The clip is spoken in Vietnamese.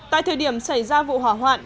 tại thời điểm xảy ra vụ hỏa hoạn